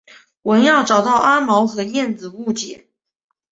文耀找到阿毛和燕子误解。